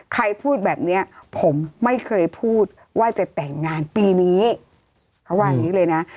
ใครพูดแบบนี้ผมไม่เคยพูดว่าจะแต่งงานปีนี้เขาว่าอย่างนี้เลยนะ